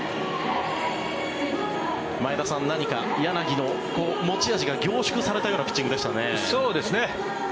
前田さん、何か柳の持ち味が凝縮されたようなピッチングでしたね。